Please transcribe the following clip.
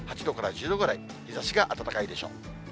８度から１０度ぐらい、日ざしが暖かいでしょう。